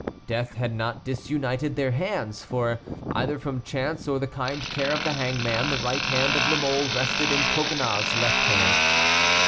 Death had not disunited their hands, for either from chance or the kind care of the hangman the right hand of La Mole rested in Coconnas's left hand.